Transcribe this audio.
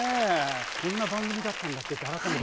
こんな番組だったんだって改めて。